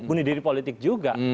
bunuh diri politik juga